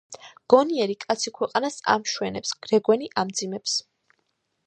გონიერი კაცი ქვეყანას ამშვენებს, რეგვენი ამძიმებს